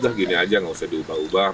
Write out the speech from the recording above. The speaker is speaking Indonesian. udah gini aja nggak usah diubah ubah